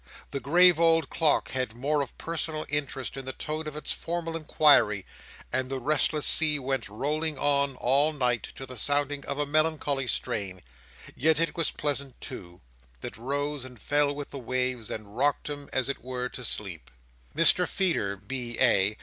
The grave old clock had more of personal interest in the tone of its formal inquiry; and the restless sea went rolling on all night, to the sounding of a melancholy strain—yet it was pleasant too—that rose and fell with the waves, and rocked him, as it were, to sleep. Mr Feeder, B.A.